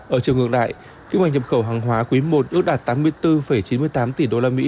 ở chiều ngược lại kinh ngạch nhập khẩu hàng hóa quý i ước đạt tám mươi bốn chín mươi tám tỷ usd